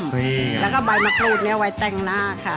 แล้วก็ใบมะกรูดนี้ไว้แต่งหน้าค่ะ